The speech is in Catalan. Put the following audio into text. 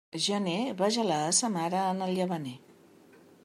Gener va gelar a sa mare en el llavaner.